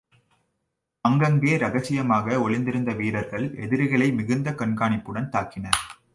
அங்கங்கே ரகசியமாக ஒளிந்திருந்த வீரர்கள் எதிரிகளை மிகுந்த கண்காணிப்புடன் தாக்கினர்.